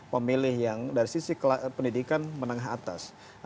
pemilih yang dari sisi pendidikan menengah atas